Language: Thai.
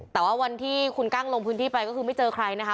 แต่ว่าวันที่คุณกั้งลงพื้นที่ไปก็คือไม่เจอใครนะคะ